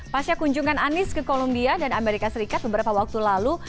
pasca kunjungan anies ke columbia dan amerika serikat beberapa waktu lalu